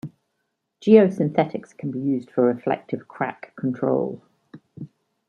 Geosynthetics can be used for reflective crack control.